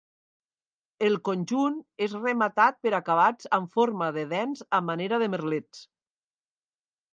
El conjunt és rematat per acabats en forma de dents a manera de merlets.